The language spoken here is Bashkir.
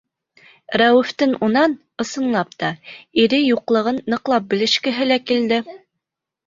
Рәүефтең унан, ысынлап та, ире юҡлығын ныҡлап белешкеһе лә килде.